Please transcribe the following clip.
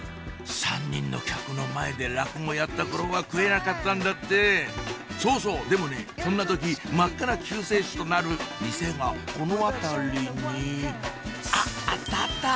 ３人の客の前で落語やった頃は食えなかったんだってそうそうでもねそんな時真っ赤な救世主となる店がこの辺りにあっあったあった！